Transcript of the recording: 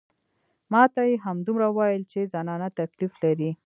ما ته يې همدومره وويل چې زنانه تکليف لري.